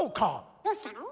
どうしたの？